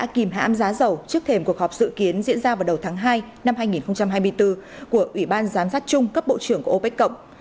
kìm hãm giá dầu trước thềm cuộc họp dự kiến diễn ra vào đầu tháng hai năm hai nghìn hai mươi bốn của ủy ban giám sát trung cấp bộ trưởng của opec cộng